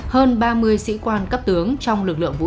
hơn ba mươi sĩ quan cấp tướng